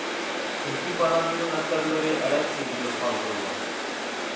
چۈنكى فارابىنىڭ ئەسەرلىرى ئەرەبچە يېزىلىپ قالدۇرۇلغان.